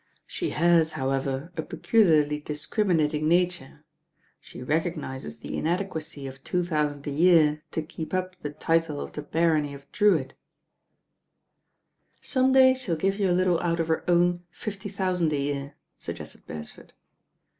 She has, however, a peculiarly discrim inating nature. She recognises the inadequacy of two thousand a year to keep up the title of the barony of Drewitt." "Some day she'll give you a little out of her own fifty thousand a year," suggested Beresford.